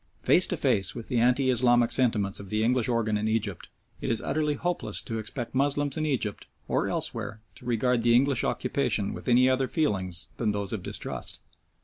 Face to face with the anti Islamic sentiments of the English organ in Egypt, it is utterly hopeless to expect Moslems in Egypt or elsewhere to regard the English occupation with any other feelings than those of distrust.